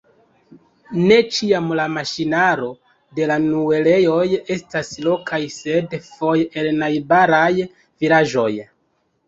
Ne ĉiam la maŝinaro de la muelejoj estas lokaj, sed foje el najbaraj vilaĝoj.